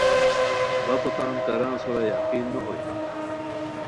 بپو تان کاران سورا یقین نو ہوئے